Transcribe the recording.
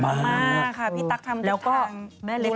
มากค่ะพี่ตั๊กทำทุกท่าง